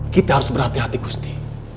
kita harus berhati hati gusti